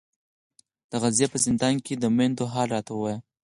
د غزې په زندان کې د میندو حال راته وایي.